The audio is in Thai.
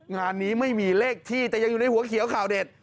งานนี้ไม่มีเลขที่แต่ยังอยู่ในหัวเขียวข่าวเด็ด